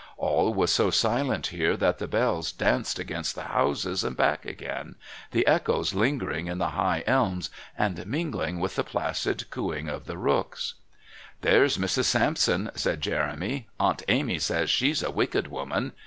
All was so silent here that the bells danced against the houses and back again, the echoes lingering in the high elms and mingling with the placid cooing of the rooks. "There's Mrs. Sampson," said Jeremy. "Aunt Amy says she's a wicked woman.